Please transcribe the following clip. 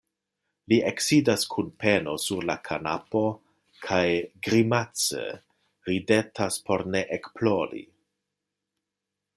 Li eksidas kun peno sur la kanapo kaj grimace ridetas por ne ekplori.